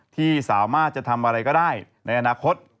ที่สามารถจะทำอะไรก็ได้ในอนาคต